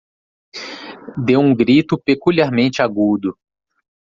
Deu um grito peculiarmente agudo.